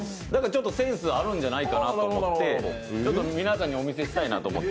センスあるんじゃないかなと思って皆さんにお見せしたいなと思って。